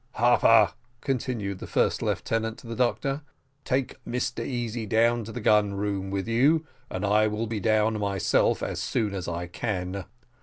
Harpur," continued the first lieutenant to the doctor, "take Mr Easy down in the gun room with you, and I will be down myself as soon as I can.